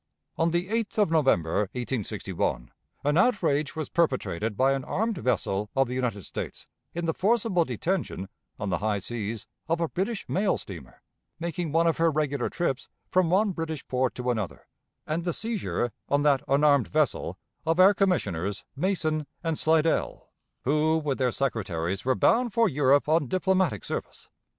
On the 8th of November, 1861, an outrage was perpetrated by an armed vessel of the United States, in the forcible detention, on the high seas, of a British mail steamer, making one of her regular trips from one British port to another, and the seizure, on that unarmed vessel, of our Commissioners, Mason and Slidell, who with their secretaries were bound for Europe on diplomatic service.